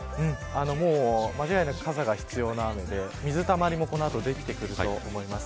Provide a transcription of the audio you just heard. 間違いなく傘が必要な雨で水たまりもこの後できてくると思います。